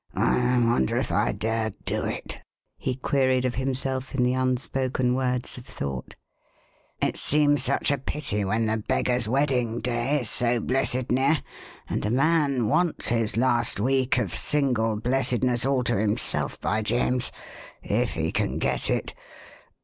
"I wonder if I dare do it?" he queried of himself in the unspoken words of thought. "It seems such a pity when the beggar's wedding day is so blessed near and a man wants his last week of single blessedness all to himself, by James if he can get it!